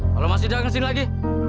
kalau masih dagang disini lagi